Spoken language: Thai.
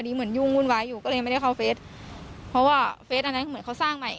เหมือนยุ่งวุ่นวายอยู่ก็เลยยังไม่ได้เข้าเฟสเพราะว่าเฟสอันนั้นเหมือนเขาสร้างใหม่